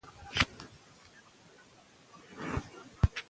پسه د افغانستان د جغرافیایي موقیعت یوه پایله ده.